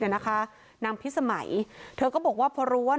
นะคะนางพิสมัยเธอก็บอกว่าพอรู้ว่า